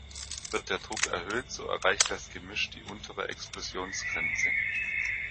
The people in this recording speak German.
Wird der Druck erhöht, so erreicht das Gemisch die untere Explosionsgrenze.